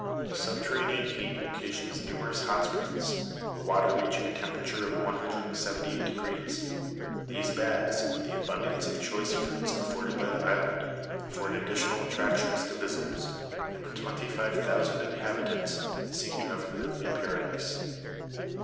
The subterranean heat occasions numerous hot springs, the water reaching a temperature of 178 degrees. These baths, and the abundance of choice fruits afforded by the island, afford additional attractions to visitors, and the twenty five thousand inhabitants would seem to have an earthly paradise.